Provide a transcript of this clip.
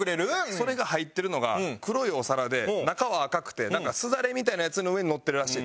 それが入ってるのが黒いお皿で中は赤くてなんかすだれみたいなやつの上にのってるらしい。